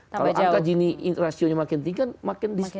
kalau angka gini rasio makin tinggi